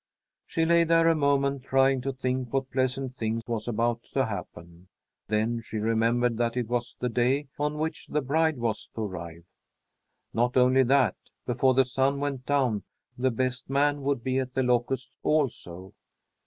She lay there a moment, trying to think what pleasant thing was about to happen. Then she remembered that it was the day on which the bride was to arrive. Not only that, before the sun went down, the best man would be at The Locusts also.